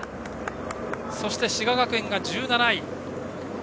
そして滋賀学園、１７位。